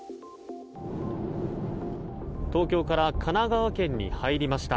東京から神奈川県に入りました。